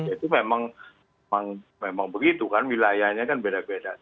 itu memang begitu kan wilayahnya kan beda beda